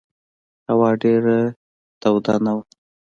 هوا ډېره توده نه وه.